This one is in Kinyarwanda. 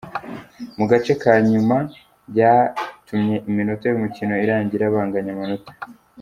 mu gace ka nyuma byatumye iminota ' y'umukino irangira banganya amanota.